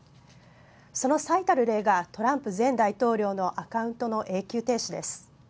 その最たる例がトランプ前大統領のアカウントの永久停止です。